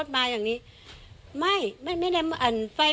จากนั้น